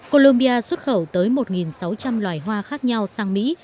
colombia xuất khẩu tới một sáu trăm linh loài hoa khác nhau sang mỹ